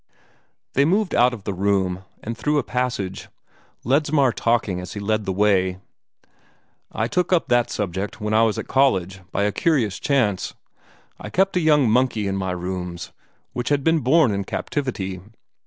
They moved out of the room, and through a passage, Ledsmar talking as he led the way. "I took up that subject, when I was at college, by a curious chance. I kept a young monkey in my rooms, which had been born in captivity.